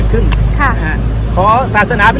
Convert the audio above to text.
สุดท้ายเท่าไหร่